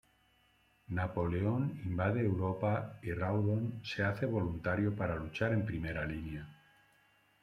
Napoleón invade Europa y Rawdon se hace voluntario para luchar en primera línea.